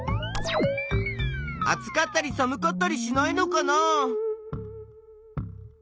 あつかったりさむかったりしないのかな？